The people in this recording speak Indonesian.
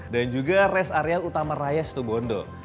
dan juga res area utama raya setobondo